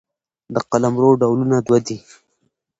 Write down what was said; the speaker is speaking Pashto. د قلمرو ډولونه دوه دي.